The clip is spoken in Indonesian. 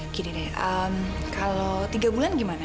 gini deh kalau tiga bulan gimana